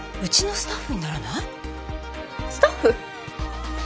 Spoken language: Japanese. スタッフ？